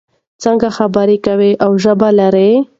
څانګه خبرې کوي او ژبه لري.